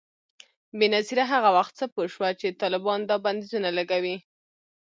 بېنظیره هغه وخت څه پوه شوه چي طالبان دا بندیزونه لګوي؟